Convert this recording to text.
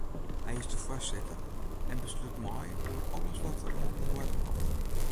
Hy is de foarsitter en beslút mei oer alles wat oan de oarder komt.